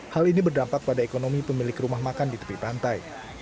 hal ini berdampak pada ekonomi pemilik rumah makan di tepi pantai